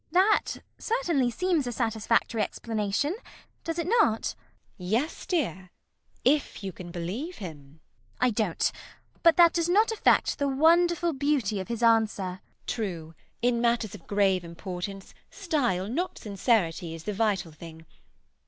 ] That certainly seems a satisfactory explanation, does it not? GWENDOLEN. Yes, dear, if you can believe him. CECILY. I don't. But that does not affect the wonderful beauty of his answer. GWENDOLEN. True. In matters of grave importance, style, not sincerity is the vital thing.